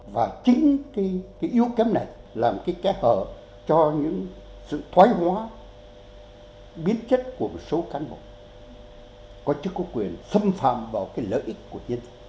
và chính cái yếu kém này là một cái kẽ hở cho những sự thoái hóa biến chất của một số cán bộ có chức có quyền xâm phạm vào cái lợi ích của nhân dân